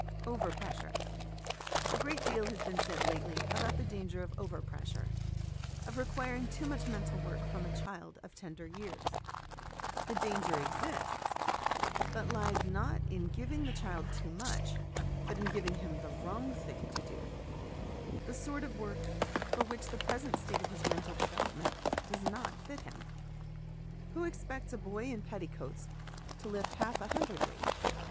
Overpressure. A great deal has been said lately about the danger of overpressure, of requiring too much mental work from a child of tender years. The danger exists ; but lies, not in giving the child too much, but in giving him the wrong thing to do, ou fV*a crkff i OUT OF DOOR LIFE FOR THE CHILDREN 67 the sort of work for which the present state of his mental development does not fit him. Who expects a boy in petticoats to lift half a hundredweight